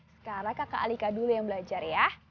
sekarang kakak alika dulu yang belajar ya